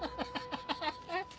ハハハハハ！